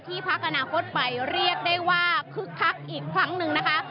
พักอนาคตไปเรียกได้ว่าคึกคักอีกครั้งหนึ่งนะคะ